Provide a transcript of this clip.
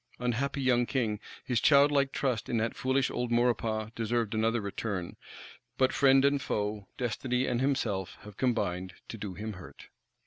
Unhappy young King, his childlike trust in that foolish old Maurepas deserved another return. But friend and foe, destiny and himself have combined to do him hurt.